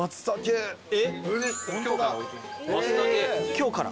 今日から。